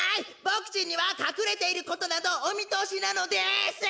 ボクちんにはかくれていることなどおみとおしなのです！